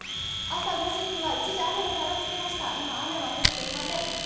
朝５時には一時雨もぱらつきました今、雨は降っていません。